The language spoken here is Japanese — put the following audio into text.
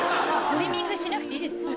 トリミングしなくていいですよ。